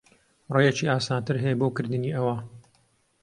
ڕێیەکی ئاسانتر ھەیە بۆ کردنی ئەوە.